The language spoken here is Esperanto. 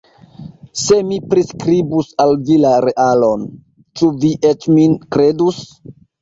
Se mi priskribus al vi la realon, ĉu vi eĉ min kredus?